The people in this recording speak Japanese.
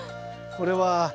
これはね。